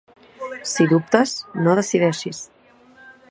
Si dubtes, no decideixis.